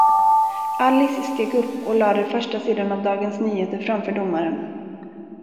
Alice steg upp och lade första sidan av Dagens Nyheter framför domaren.